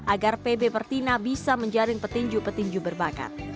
agar pb pertina bisa menjaring petinju petinju berbakat